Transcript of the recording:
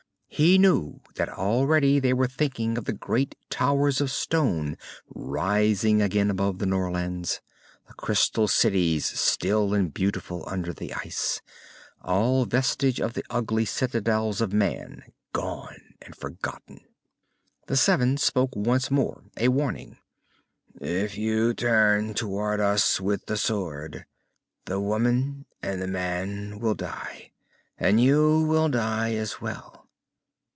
He knew that already they were thinking of the great towers of stone rising again above the Norlands, the crystal cities still and beautiful under the ice, all vestige of the ugly citadels of man gone and forgotten. The seven spoke once more, a warning. "If you turn toward us with the sword, the woman and the man will die. And you will die as well.